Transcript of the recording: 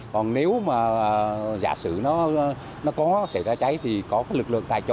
còn nếu mà giả sử nó có xảy ra cháy thì có cái lực lượng tại chỗ